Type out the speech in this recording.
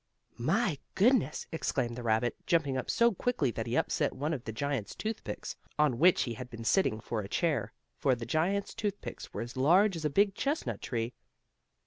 "My goodness!" exclaimed the rabbit, jumping up so quickly that he upset one of the giant's toothpicks, on which he had been sitting for a chair, for the giant's toothpicks were as large as a big chestnut tree.